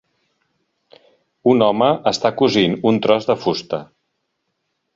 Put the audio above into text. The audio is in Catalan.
Un home està cosint un tros de fusta.